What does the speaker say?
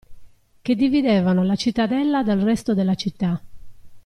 Che dividevano la cittadella dal resto della città.